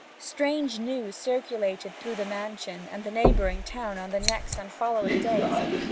Strange news circulated through that mansion and the neighbouring town on the next and following days.